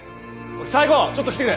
ちょっと来てくれ！